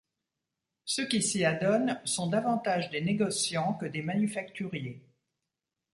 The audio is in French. Ceux qui s’y adonnent sont davantage des négociants que des manufacturiers.